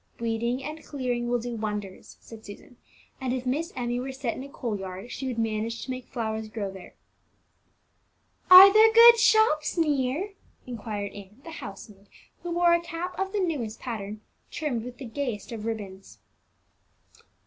"Weeding and clearing will do wonders," said Susan; "if Miss Emmie were set in a coal yard, she would manage to make flowers grow there." "Are there good shops near?" inquired Ann, the housemaid, who wore a cap of the newest pattern, trimmed with the gayest of ribbons.